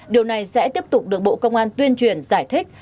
điều này sẽ tiếp tục được bộ công an tuyên truyền giải thích